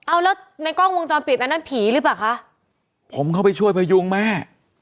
เอาแล้วในกล้องวงจรปิดอันนั้นผีหรือเปล่าคะผมเข้าไปช่วยพยุงแม่